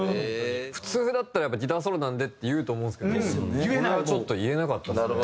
普通だったらやっぱ「ギターソロなんで」って言うと思うんですけどこれはちょっと言えなかったですね。